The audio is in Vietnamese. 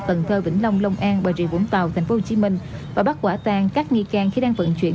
tần thơ vĩnh long long an bà rịa vũng tàu tp hcm và bắt quả tàn các nghi can khi đang vận chuyển